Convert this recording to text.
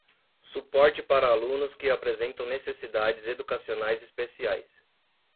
suporte para alunos que apresentam necessidades educacionais especiais